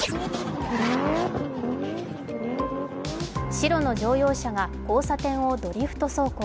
白の乗用車が交差点をドリフト走行。